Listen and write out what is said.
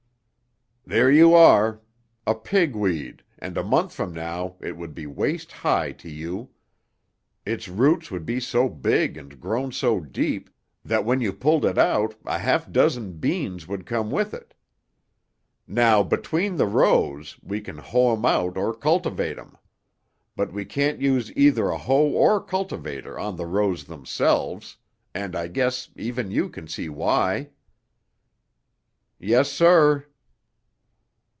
"There you are. A pigweed, and a month from now it would be waist high to you. Its roots would be so big and grown so deep that when you pulled it out a half dozen beans would come with it. Now, between the rows we can hoe 'em out or cultivate 'em. But we can't use either a hoe or cultivator on the rows themselves, and I guess even you can see why." "Yes, sir."